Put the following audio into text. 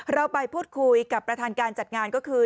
เราไปพูดคุยกับประธานการจัดงานก็คือ